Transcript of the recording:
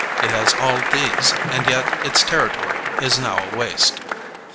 It has all these, and yet its territory is now a waste.